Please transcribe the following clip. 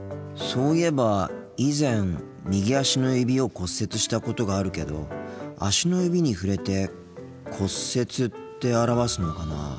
そういえば以前右足の指を骨折したことがあるけど足の指に触れて「骨折」って表すのかな。